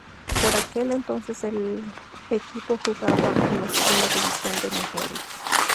Por aquel entonces el equipo jugaba en la segunda división de Nigeria.